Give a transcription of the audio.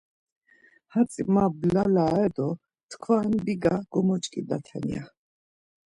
Hatzi ma blalare do tkva biga gomoç̌ǩidaten ya.